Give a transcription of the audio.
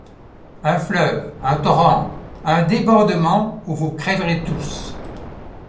Un fleuve, un torrent, un débordement où vous crèverez tous!